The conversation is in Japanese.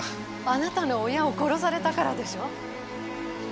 あなたの親を殺されたからでしょ。